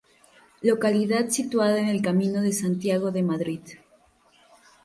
Localidad situada en el Camino de Santiago de Madrid.